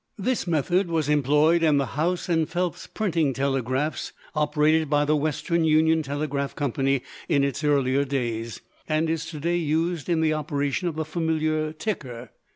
This method was employed in the House and Phelps printing telegraphs operated by the Western Union Telegraph Company in its earlier days, and is to day used in the operation of the familiar ticker.